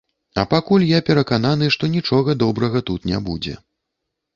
А пакуль я перакананы, што нічога добрага тут не будзе.